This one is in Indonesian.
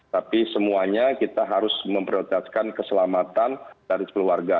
tapi semuanya kita harus memprioritaskan keselamatan dari sepuluh warga